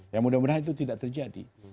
ya mudah mudahan itu tidak terjadi